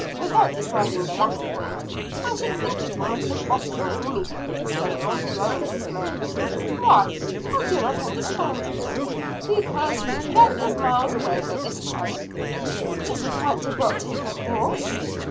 "Without deciding the latter point, I should think it almost impossible for me to put a saddle on the roan just now." "Why? I do not understand you." "Because he is doubtless miles away by this time." "Jehosaphat did not take the horse!"